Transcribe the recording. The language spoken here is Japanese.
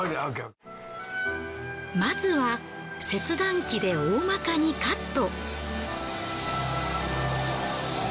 まずは切断機でおおまかにカット。